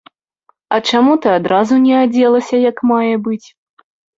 А чаму ты адразу не адзелася як мае быць?